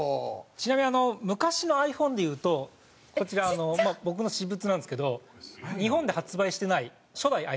ちなみに昔のｉＰｈｏｎｅでいうとこちら僕の私物なんですけど日本で発売してない初代ｉＰｈｏｎｅ。